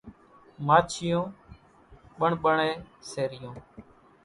ماڇِيوُن ٻڻٻڻيَ سي ريون۔